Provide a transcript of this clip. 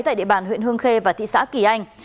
tại địa bàn huyện hương khê và thị xã kỳ anh